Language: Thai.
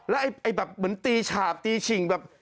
แล้วแบบเหมือนตีฉาบตีฉิ่ง